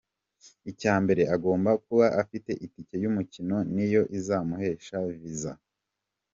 Icya mbere agomba kuba afite itike y’umukino ni yo izamuhesha viza.